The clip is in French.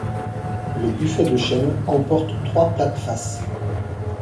Le buffet de chêne comporte trois plates-faces.